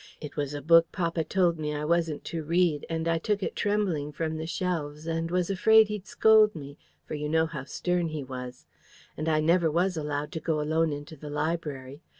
It was a book papa told me I wasn't to read, and I took it trembling from the shelves, and was afraid he'd scold me for you know how stern he was. And I never was allowed to go alone into the library.